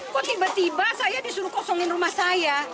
kok tiba tiba saya disuruh kosongin rumah saya